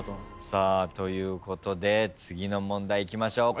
さあということで次の問題いきましょう。